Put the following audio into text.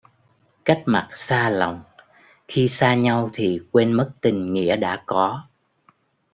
Cách mặt xa lòng: khi xa nhau thì quên mất tình nghĩa đã có.